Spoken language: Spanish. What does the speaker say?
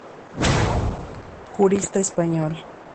Jurista español.